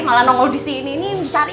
malah nongol disini